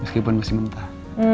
meskipun masih mentah